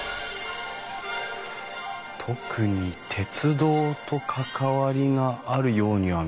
特に鉄道と関わりがあるようには見えないけど。